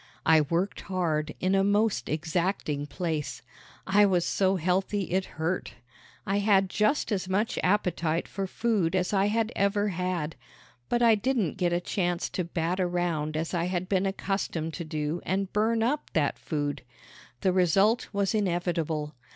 I worked hard in a most exacting place. I was so healthy it hurt. I had just as much appetite for food as I had ever had; but I didn't get a chance to bat around as I had been accustomed to do and burn up that food. The result was inevitable.